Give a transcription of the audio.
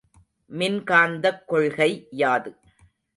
மின்காந்தக் கொள்கை யாது?